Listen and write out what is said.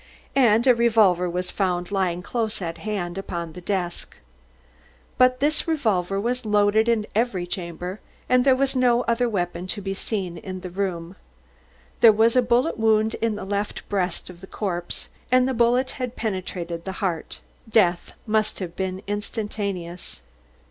And a revolver was found lying close at hand, upon the desk. But this revolver was loaded in every chamber and there was no other weapon to be seen in the room. There was a bullet wound in the left breast of the corpse, and the bullet had penetrated the heart. Death must have been instantaneous.